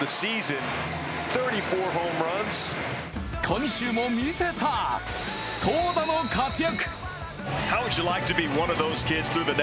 今週も見せた、投打の活躍。